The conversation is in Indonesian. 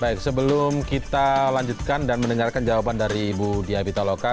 baik sebelum kita lanjutkan dan mendengarkan jawaban dari ibu dia pitaloka